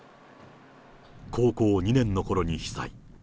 高校２年のころに被災。